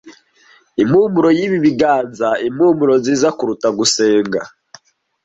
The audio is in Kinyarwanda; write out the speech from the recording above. Impumuro yibi biganza-impumuro nziza kuruta gusenga,